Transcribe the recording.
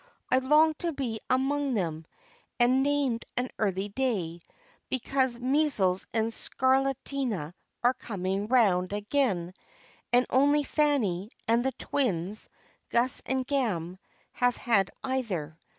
I long to be among them, and named an early day, because measles and scarlatina are coming round again, and only Fanny, and the twins, Gus and Gam, have had either.